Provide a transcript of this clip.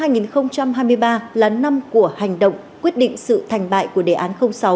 năm hai nghìn hai mươi ba là năm của hành động quyết định sự thành bại của đề án sáu